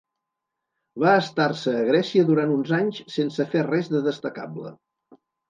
Va estar-se a Grècia durant uns anys sense fer res de destacable.